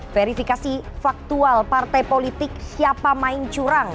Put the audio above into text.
verifikasi faktual partai politik siapa main curang